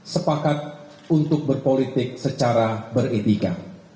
sepakat untuk berpolitik secara beretika